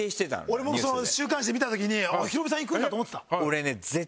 俺も週刊誌で見た時にヒロミさん行くんだと思ってた。